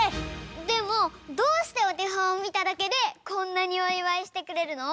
でもどうしておてほんをみただけでこんなにおいわいしてくれるの？